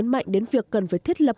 và nhấn mạnh đến việc cần phải thiết lập